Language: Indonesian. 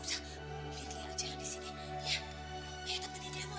udah berhenti aja di sini